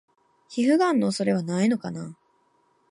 皮膚ガンの恐れはないのかな？